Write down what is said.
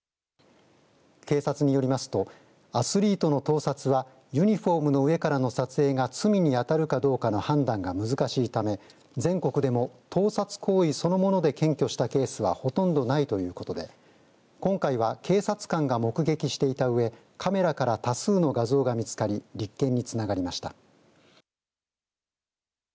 警察によりますとアスリートの盗撮はユニフォームの上からの撮影が罪にあたるかどうかの判断が難しいため全国でも盗撮行為そのもので検挙したケースはほとんどないということで今回は警察官が目撃していたうえカメラから多数の画像が見つかり立件につながりました。